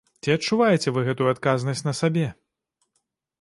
Ці адчуваеце вы гэту адказнасць на сабе?